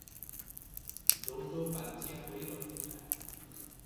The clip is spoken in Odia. ଦୋ ଦୋ ପାଞ୍ଚିଆ ହୋଇ ରହିଥିଲା ।